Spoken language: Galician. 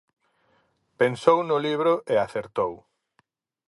Pensou no libro e acertou.